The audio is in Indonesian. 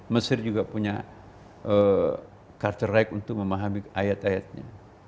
mesir juga punya culture right untuk memahami ayat ayatnya